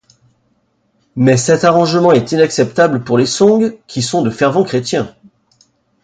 Mais cet arrangement est inacceptable pour les Song qui sont de fervents chrétiens.